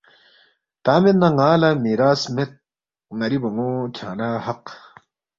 تا مید نہ ن٘ا لہ میراث مید ن٘ری بون٘و کھیانگ لہ حق